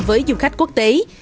với du khách quốc tế